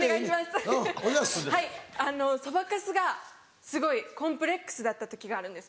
はいそばかすがすごいコンプレックスだった時があるんです。